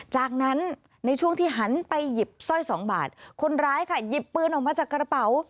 จากนั้นในช่วงที่หันไปหยิบสร้อยสองบาทคนร้ายค่ะหยิบปืนออกมาจากกระเป๋า